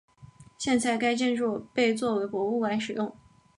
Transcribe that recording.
现在该建筑被作为博物馆使用。